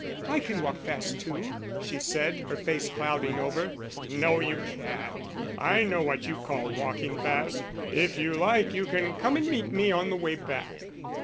"I can walk fast too," she said, her face clouding over. "No, you can't I know what you call walking fast. If you like you can come and meet me on the way back."